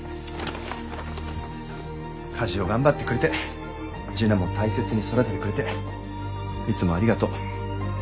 家事を頑張ってくれて樹奈も大切に育ててくれていつもありがとう。